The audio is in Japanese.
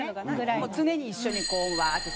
もう常に一緒にこうワーッて騒いで。